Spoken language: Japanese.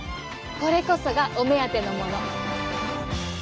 これこそがお目当てのもの。